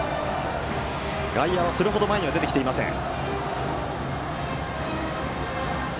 外野はそれほど前には出てきていません。